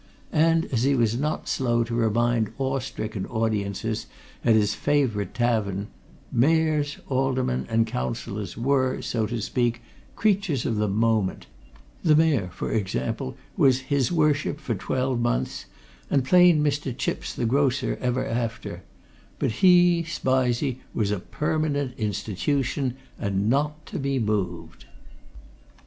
And, as he was not slow to remind awe stricken audiences at his favourite tavern, Mayors, Aldermen and Councillors were, so to speak, creatures of the moment the Mayor, for example, was His Worship for twelve months and plain Mr. Chipps the grocer ever after but he, Spizey, was a Permanent Institution, and not to be moved.